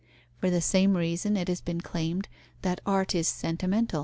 For the same reason it has been claimed that art is sentiment.